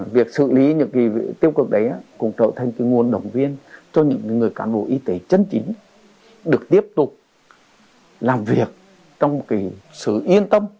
việc xử lý những tiêu cực đấy cũng trở thành nguồn động viên cho những người cán bộ y tế chân chính được tiếp tục làm việc trong sự yên tâm